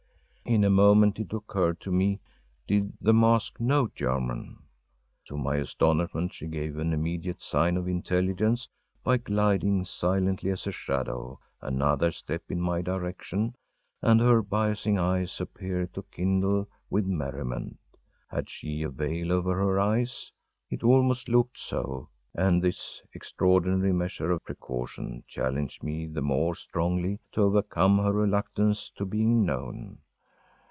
In a moment it occurred to me: Did the mask know German? To my astonishment, she gave an immediate sign of intelligence by gliding, silently as a shadow, another step in my direction, and her biasing eyes appeared to kindle with merriment. Had she a veil over her eyes? It almost looked so and this extraordinary measure of precaution challenged me the more strongly to overcome her reluctance to being known.